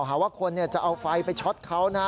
หาว่าคนจะเอาไฟไปช็อตเขานะ